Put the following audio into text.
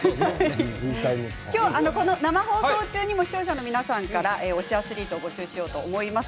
今日は生放送中にも視聴者の皆さんから推しアスリート募集しようと思います。